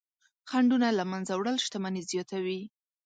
خنډونه له منځه وړل شتمني زیاتوي.